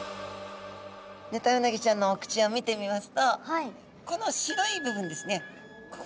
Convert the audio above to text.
ヌタウナギちゃんのお口を見てみますとこの白い部分ですね。